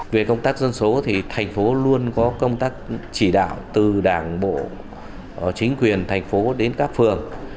về công tác dân số thì thành phố luôn có công tác chỉ đạo từ đảng bộ chính quyền thành phố đến các phường